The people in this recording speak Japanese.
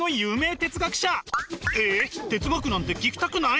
哲学なんて聞きたくない？